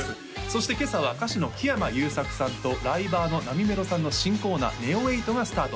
そして今朝は歌手の木山裕策さんとライバーのなみめろさんの新コーナーＮＥＯ８がスタート